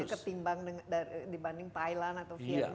ketimbang dibanding thailand atau vietnam